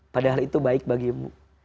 padahal itu baik bagimu